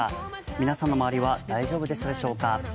皆さんの周りは大丈夫でしたでしょうか。